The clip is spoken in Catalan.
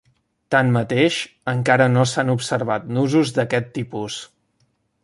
Tanmateix, encara no s'han observat nusos d'aquest tipus.